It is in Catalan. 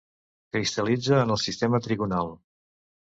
Cristal·litza en el sistema trigonal.